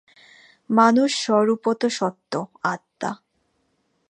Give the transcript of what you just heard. মানুষ স্বরূপত সত্ত্ব, আত্মা।